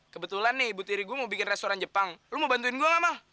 kebetulan nih ibu tiri gue mau bikin restoran jepang lo mau bantuin gue gak mah